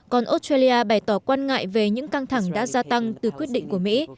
còn australia bày tỏ quan ngại về những căng thẳng đã gia tăng từ quyết định của mỹ